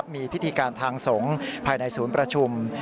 มีพิธีการทางสงฆ์ภายในศูนย์ประชุม